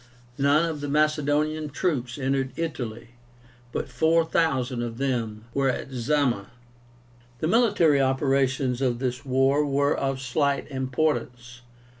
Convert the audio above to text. None of the Macedonian troops entered Italy, but four thousand of them were at Zama. The military operations of this war were of slight importance.